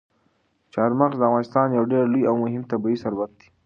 چار مغز د افغانستان یو ډېر لوی او مهم طبعي ثروت دی.